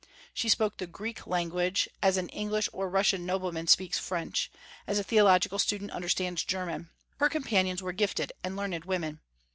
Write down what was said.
She spoke the Greek language as an English or Russian nobleman speaks French, as a theological student understands German. Her companions were gifted and learned women.